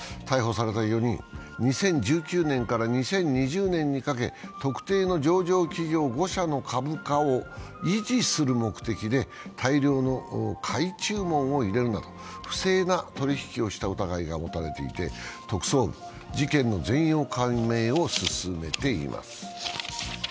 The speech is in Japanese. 逮捕された４人、２０１９年から２０２０年にかけ特定の上場企業５社の株価を維持する目的で大量の買い注文を入れるなど不正な取り引きをした疑いが持たれていて、特捜部は事件の全容解明を進めています。